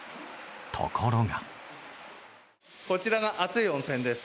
ところが。